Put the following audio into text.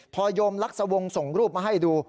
พอโยมลักษวงศ์ส่งรูปมาให้ดู